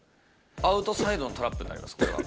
アウトサイドのトラップになります、これは。